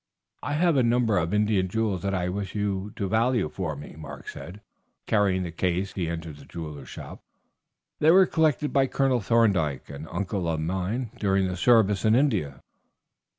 "I have a number of Indian jewels that I wish you to value for me," Mark said, as, carrying the case, he entered the jeweler's shop. "They were collected by Colonel Thorndyke, an uncle of mine, during service in India."